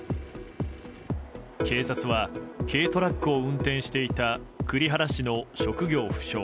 警察は軽トラックを運転していた栗原市の職業不詳